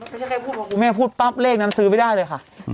ไม่ใช่แค่พูดของคุณแม่พูดปั๊บเลขนั้นซื้อไม่ได้เลยค่ะ